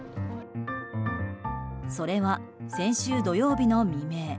それは先週土曜日の未明。